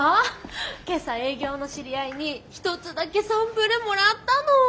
今朝営業の知り合いに１つだけサンプルもらったの。